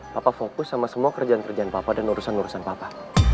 papa fokus sama semua kerjaan kerjaan papa dan urusan urusan papa